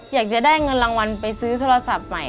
อยากจะได้เงินรางวัลไปซื้อโทรศัพท์ใหม่